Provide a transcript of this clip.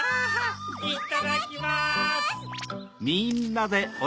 いただきます！